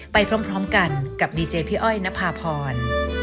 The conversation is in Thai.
ไปพร้อมพร้อมกันกับดีเจย์พี่อ้อยณพาพร